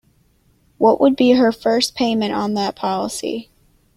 What would be her first payment on that policy?